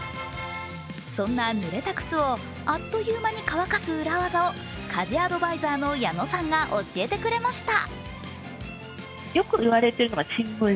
そんなぬれた靴をあっという間に乾かす裏技を家事アドバイザーの矢野さんが教えてくれました。